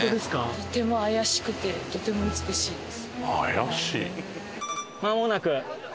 とても怪しくてとても美しいです。